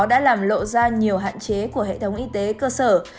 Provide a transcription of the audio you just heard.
đã làm lộ ra nhiều hạn chế của hệ thống y tế cơ sở